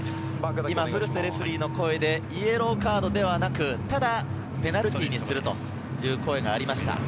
古瀬レフェリーの声で、イエローカードではなく、ただペナルティーにするという声がありました。